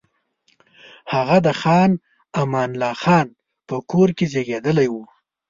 هغه د خان امان الله خان په کور کې زېږېدلی وو.